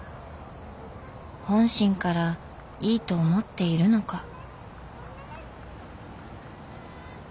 本心からいいと思っているのか。